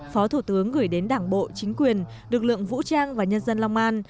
phó thủ tướng gửi đến đảng bộ chính quyền lực lượng vũ trang và nhân dân long an